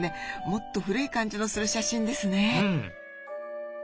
もっと古い感じのする写真ですね。